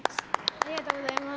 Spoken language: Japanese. ありがとうございます。